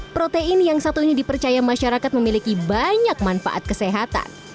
protein yang satunya dipercaya masyarakat memiliki banyak manfaat kesehatan